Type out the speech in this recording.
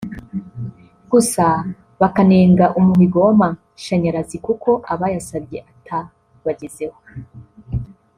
gusa bakanenga umuhigo w’amashanyarazi kuko abayasabye atabagezeho